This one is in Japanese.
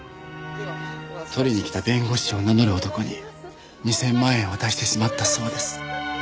取りに来た弁護士を名乗る男に２０００万円を渡してしまったそうです。